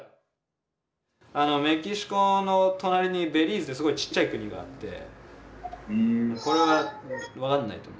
メキシコの隣にベリーズってすごいちっちゃい国があってこれは分かんないと思う。